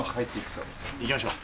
行きましょう。